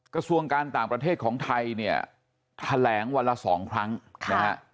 กระทรวงการต่างประเทศของไทยเนี่ยแถลงวันละสองครั้งนะฮะ